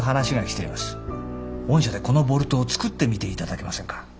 御社でこのボルトを作ってみていただけませんか？